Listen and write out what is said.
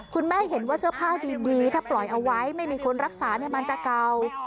เห็นว่าเสื้อผ้าดีถ้าปล่อยเอาไว้ไม่มีคนรักษามันจะเก่า